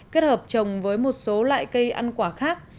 kết hợp trồng với một số loại cây ăn quả khác